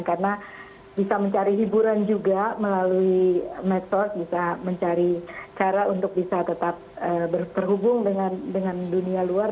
karena bisa mencari hiburan juga melalui medsos bisa mencari cara untuk bisa tetap terhubung dengan dunia luar